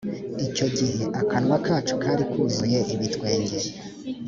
icyo gihe akanwa kacu kari kuzuye ibitwenge